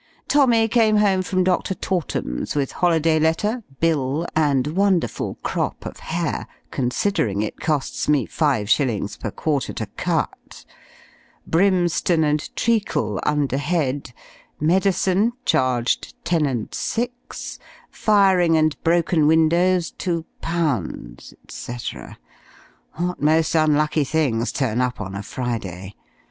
Tommy came home from Dr. Tortem's, with holiday letter, bill, and wonderful crop of hair considering it costs me five shillings per quarter to cut; brimstone and treacle, under head medicine, charged ten and six; firing and broken windows, two pounds; &c.: what most unlucky things turn up on a Friday!